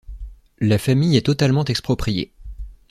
La famille est totalement expropriée.